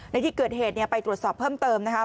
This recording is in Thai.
ในที่เกิดเหตุไปตรวจสอบเพิ่มเติมนะครับ